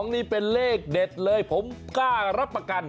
นี่เป็นเลขเด็ดเลยผมกล้ารับประกัน